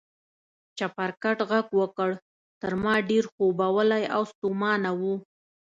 چپرکټ غږ وکړ، تر ما ډېر خوبولی او ستومانه و.